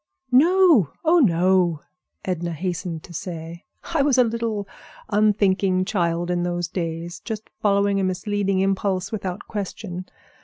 "No! oh, no!" Edna hastened to say. "I was a little unthinking child in those days, just following a misleading impulse without question.